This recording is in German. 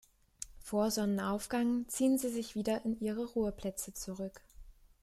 Vor Sonnenaufgang ziehen sie sich wieder in ihre Ruheplätze zurück.